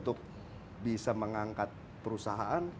orangnya bisa mengangkat perusahaan